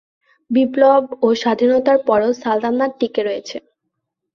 বিপ্লব ও স্বাধীনতার পরও সালতানাত টিকে রয়েছে।